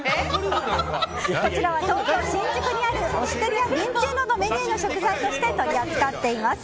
こちらは東京・新宿にあるオステリアヴィンチェロのメニューとして取り扱っています。